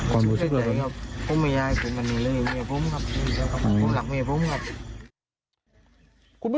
คุณผู้ชมนะครับ